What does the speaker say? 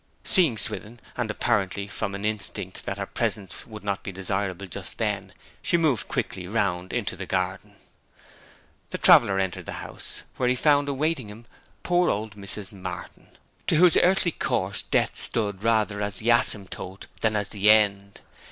Seeing Swithin, and apparently from an instinct that her presence would not be desirable just then, she moved quickly round into the garden. The returned traveller entered the house, where he found awaiting him poor old Mrs. Martin, to whose earthly course death stood rather as the asymptote than as the end.